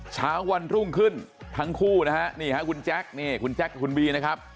เช้าวันรุ่งขึ้นทั้งคู่นะฮะนี่ฮะคุณแจ๊คนี่คุณแจ๊คคุณบีนะครับ